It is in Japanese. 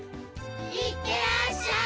いってらっしゃい！